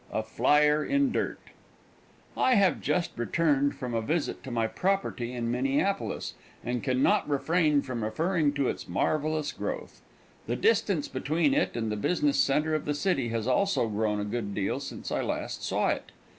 A FLYER IN DIRT VIII I have just returned from a visit to my property at Minneapolis, and can not refrain from referring to its marvelous growth. The distance between it and the business center of the city has also grown a good deal since I last saw it.